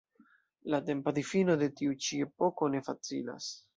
La tempa difino de tiu-ĉi epoko ne facilas.